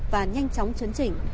và nhanh chóng chấn chỉnh